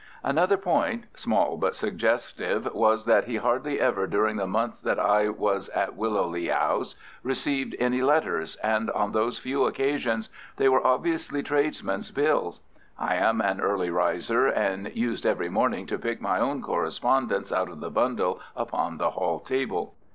Another point, small but suggestive, was that he hardly ever during the months that I was at Willow Lea House received any letters, and on those few occasions they were obviously tradesmen's bills. I am an early riser, and used every morning to pick my own correspondence out of the bundle upon the hall table.